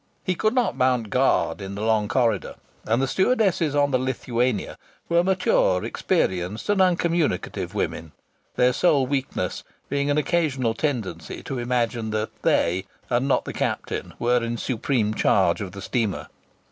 He could not mount guard in the long corridor; and the stewardesses on the Lithuania were mature, experienced and uncommunicative women, their sole weakness being an occasional tendency to imagine that they, and not the captain, were in supreme charge of the steamer.